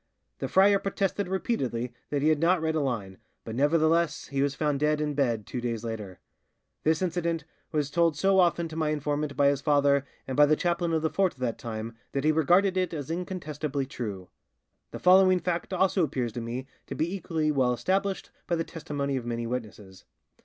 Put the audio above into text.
The friar protested repeatedly that he had not read a line, but nevertheless he was found dead in bed two days later. This incident was told so often to my informant by his father and by the chaplain of the fort of that time that he regarded it as incontestably true. The following fact also appears to me to be equally well established by the testimony of many witnesses.